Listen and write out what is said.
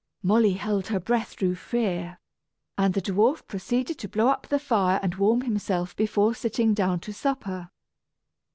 Molly held her breath through fear, and the dwarf proceeded to blow up the fire and warm himself before sitting down to supper.